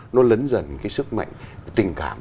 nó lấn dần cái sức mạnh tình cảm